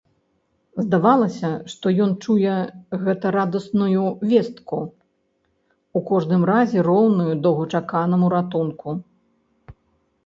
Здавалася, што ён чуе гэта радасную вестку, у кожным разе роўную доўгачаканаму ратунку.